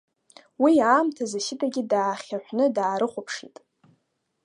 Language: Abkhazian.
Уи аамҭаз Асидагьы даахьаҳәны даарыхәаԥшит.